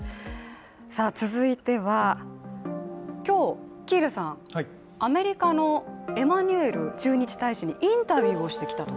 続いては、今日、喜入さん、アメリカのエマニュエル駐日大使にインタビューをしてきたと。